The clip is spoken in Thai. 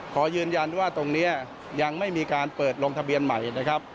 ขอยืนยันว่าตรงนี้ยังไม่มีการเปิดลงทะเบียนใหม่นะครับ